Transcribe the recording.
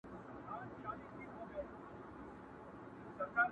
چي ودڅنګ تې مقبره جوړه د سپي ده,